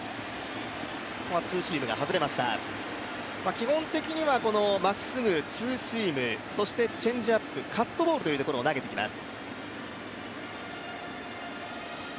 基本的にはまっすぐ、ツーシーム、そしてチェンジアップ、カットボールを投げてきます。